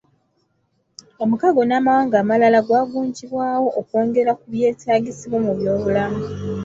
Omukago n'amawanga amalala gwagunjibwawo okwongera ku byetaagisibwa mu byobulamu.